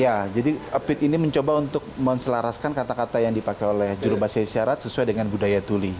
ya jadi pit ini mencoba untuk menselaraskan kata kata yang dipakai oleh juru bahasa isyarat sesuai dengan budaya tuli